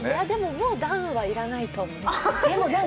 でももう、ダウンは要らないと思う。